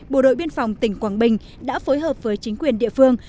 bộ đội biên phòng tỉnh quảng bình đã phối hợp với chính quyền địa phương